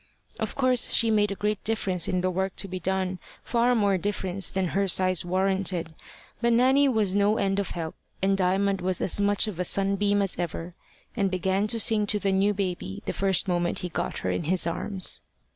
Of course she made a great difference in the work to be done far more difference than her size warranted, but Nanny was no end of help, and Diamond was as much of a sunbeam as ever, and began to sing to the new baby the first moment he got her in his arms.